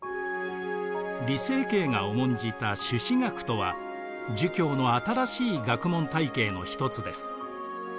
李成桂が重んじた朱子学とは儒教の新しい学問体系の一つです。